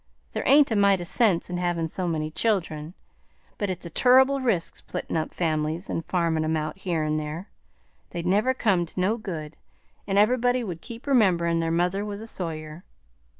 There ain't a mite o' sense in havin' so many children, but it's a turrible risk splittin' up families and farmin' 'em out here 'n' there; they'd never come to no good, an' everybody would keep rememberin' their mother was a Sawyer.